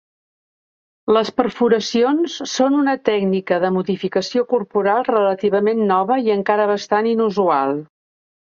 Les perforacions són una tècnica de modificació corporal relativament nova i encara bastant inusual.